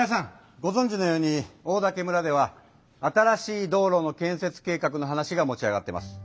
ごぞんじのようにオオダケ村では新しい道路の建設計画の話が持ち上がってます。